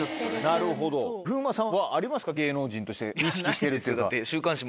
なるほど風磨さんはありますか芸能人として意識してるというか。